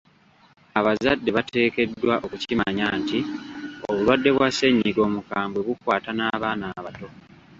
Abazadde bateekeddwa okukimanya nti obulwadde bwa ssennyiga omukambwe bukwata n'abaana abato.